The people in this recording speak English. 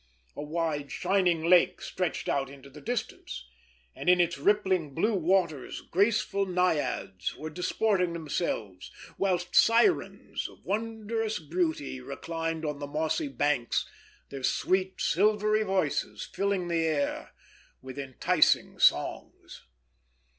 A wide shining lake stretched out into the distance, and in its rippling blue waters graceful Naiads were disporting themselves, whilst Sirens of wondrous beauty reclined on the mossy banks, their sweet, silvery voices filling the air with enticing songs.